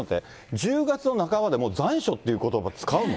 １０月の半ばで残暑っていうことば使うの？